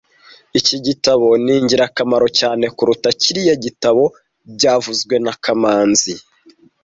Iki gitabo ni ingirakamaro cyane kuruta kiriya gitabo byavuzwe na kamanzi